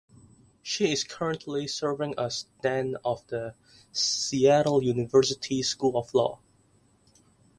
She is currently serving as dean of the Seattle University School of Law.